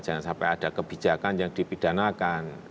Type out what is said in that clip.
jangan sampai ada kebijakan yang dipidanakan